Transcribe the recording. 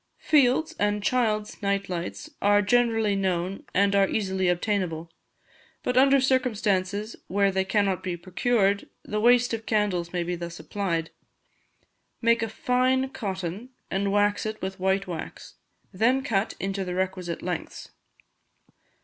Field's and Child's night lights are generally known and are easily obtainable. But under circumstances where they cannot be procured, the waste of candles may be thus applied. Make a fine cotton, and wax it with white wax. Then cut into the requisite lengths.